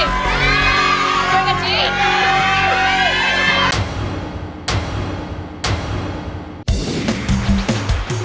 ด้วยกะทิ